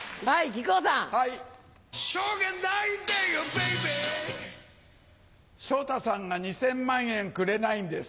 Ｂａｂｙ昇太さんが２０００万円くれないんです。